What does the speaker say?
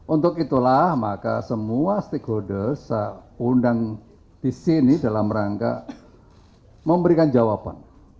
untuk itulah maka semua stakeholder saya undang di sini dalam rangka memberikan jawaban